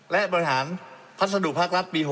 และบริหารพัฒนธุปรักรัฐปี๖๐